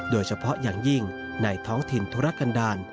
โดยเฉพาะอย่างยิ่งในท้องถิ่นธุรกันดาล